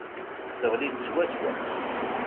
Teɣli-d swaswa.